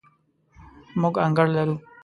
موږ انګړ لرو